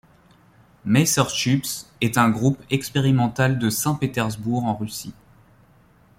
Messer Chups est un groupe expérimental de Saint-Pétersbourg en Russie.